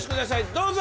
どうぞ。